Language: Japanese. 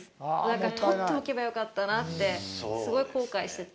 だから、とっておけばよかったなってすごい後悔してて。